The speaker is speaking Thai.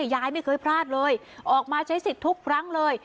ยายไม่เคยพลาดเลยออกมาใช้สิทธิ์ทุกครั้งเลย